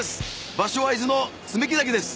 場所は伊豆の爪木崎です。